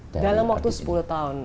dalam waktu sepuluh tahun